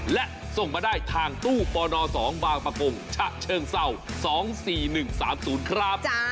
และส่งมาได้ทางตู้ปน๒บางประกงฉะเชิงเศร้า๒๔๑๓๐ครับ